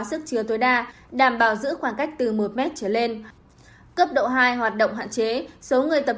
sức chứa tối đa đảm bảo giữ khoảng cách từ một m trở lên cấp độ hai hoạt động hạn chế số người tập